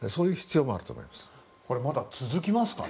まだ続きますかね。